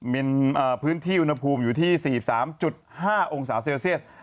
เป็นพื้นที่อุณหภูมิอยู่ที่๔๓๕องศาเซลเซียส